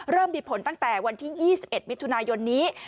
เริ่มมีผลตั้งแต่วันที่๒๑มิถุนายนนี้